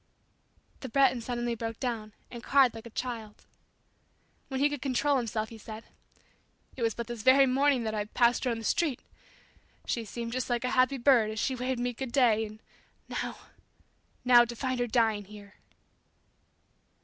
The Breton suddenly broke down and cried like a child. When he could control himself he said, "It was but this very morning that I passed her on the street. She seemed just like a happy bird as she waved me 'good day,' and now now to find her dying here!"